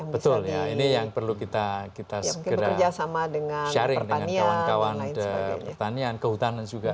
betul ya ini yang perlu kita dengan kawan kawan pertanian kehutanan juga